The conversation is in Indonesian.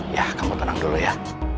ya kamu tenang dulu ya